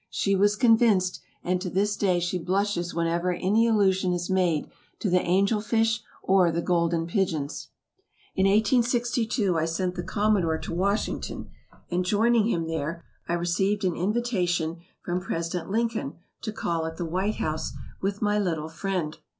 She was convinced, and to this day she blushes whenever any allusion is made to the "Angel Fish" or the "Golden Pigeons." In 1862, I sent the Commodore to Washington, and joining him there, I received an invitation from President Lincoln to call at the White House with my little friend.